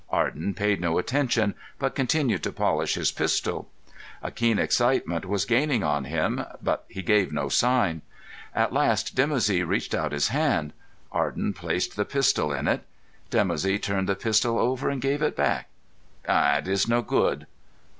Arden paid no attention, but continued to polish his pistol. A keen excitement was gaining on him, but he gave no sign. At last Dimoussi reached out his hand. Arden placed the pistol in it. Dimoussi turned the pistol over, and gave it back. "It is no good."